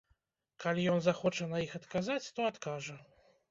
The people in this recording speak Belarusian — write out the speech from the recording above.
Калі ён захоча на іх адказаць, то адкажа.